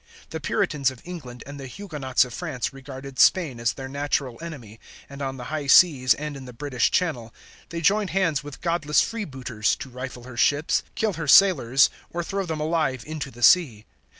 The Puritans of England and the Huguenots of France regarded Spain as their natural enemy, and on the high seas and in the British Channel they joined hands with godless freebooters to rifle her ships, kill her sailors, or throw them alive into the sea.